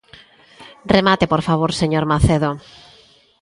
Remate, por favor, señor Macedo.